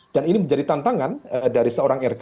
dan ini menjadi tantangan dari seorang rk